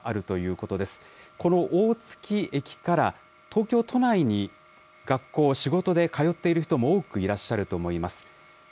この大月駅から東京都内に学校、仕事で通っている人も多くいらっしゃると思います。